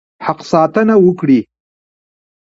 حق ساتنه وکړي.